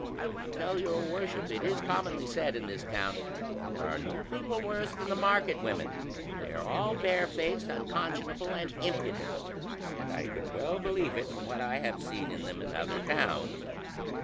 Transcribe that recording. I can tell your worship it is commonly said in this town that there are no people worse than the market women, for they are all barefaced, unconscionable, and impudent; and I can well believe it from what I have seen of them in other towns.